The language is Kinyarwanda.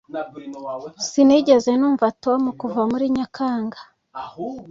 Sinigeze numva Tom kuva muri Nyakanga